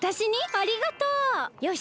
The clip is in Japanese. ありがとう！よし！